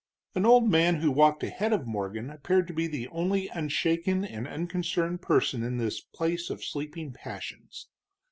An old man who walked ahead of Morgan appeared to be the only unshaken and unconcerned person in this place of sleeping passions.